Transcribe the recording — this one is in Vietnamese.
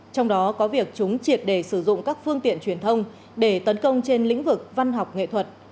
trong đó có việc chúng triệt đề sử dụng các phương tiện truyền thông để tấn công trên lĩnh vực văn học nghệ thuật